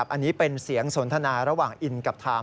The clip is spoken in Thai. อันนี้เป็นเสียงสนทนาระหว่างอินกับไทม์